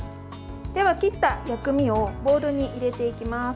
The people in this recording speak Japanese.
では切った薬味をボウルに入れていきます。